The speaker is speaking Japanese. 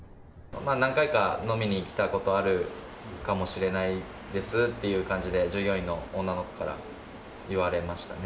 何回かは飲みにきたことあるかもしれないですって、従業員の女の子から言われましたね。